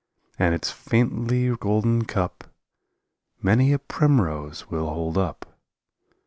And its faintly golden cup Many a primrose will hold up.